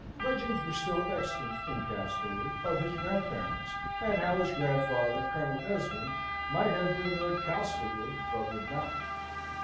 Legends were still extant in Castlewood, of his grandparents, and how his grandfather, Colonel Esmond, might have been Lord Castlewood, but would not.